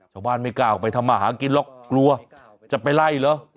ชาวบ้านไม่กล้าออกไปทำมาหากินหรอกกลัวจะไปไล่เหรอ